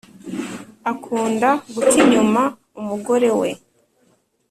akunda guca inyuma umugore we